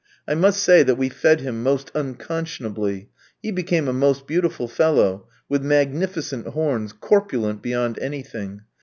I must say that we fed him quite unconscionably. He became a most beautiful fellow, with magnificent horns, corpulent beyond anything.